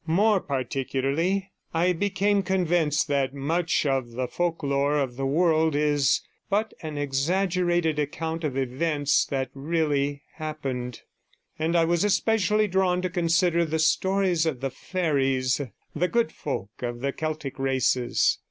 More particularly I became convinced that much of the folk lore of the world is but an exaggerated account of events that really happened, and I was especially drawn to consider the stories of the fairies, the good folk of the Celtic races.